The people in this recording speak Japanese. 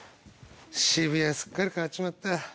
渋谷はすっかり変わっちまった。